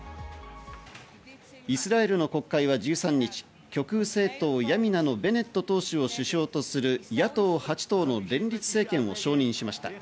イスラエルの国会は１３日、極右政党ヤミナのベネット党首を首相とする野党８党の連立政権を承認しました。